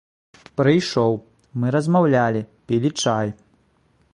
Прыйшоў, мы размаўлялі, пілі чай.